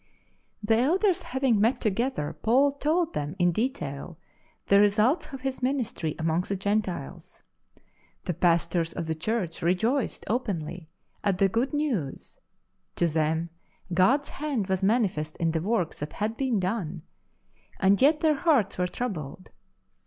The Elders having met together, Paul told them in detail the results of his ministry among the Gentiles. The Pastors of the Church rejoiced openly at the good news; to them, God's Hand was manifest in the work 4 kexipn^to Jerusalem 97 that had been done, and yet their hearts were troubled.